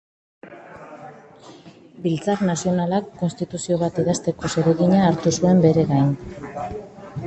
Biltzar Nazionalak Konstituzio bat idazteko zeregina hartu zuen bere gain.